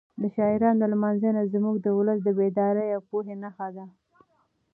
د شاعرانو لمانځنه زموږ د ولس د بیدارۍ او پوهې نښه ده.